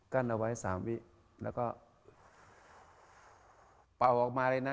กั้นเอาไว้สามวิแล้วก็เป่าออกมาเลยนะ